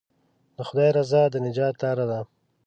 د خدای رضا د نجات لاره ده.